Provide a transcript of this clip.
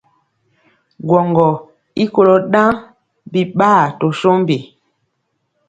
Gwɔŋgɔ i kolo ɗaŋ biɓaa to sombi.